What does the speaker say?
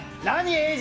英二。